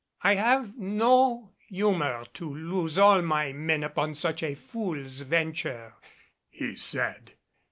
"I have no humor to lose all my men upon such a fool's venture," he said.